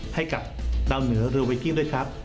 ให้กับดาวเหนือเรือเวกิ้งด้วยครับ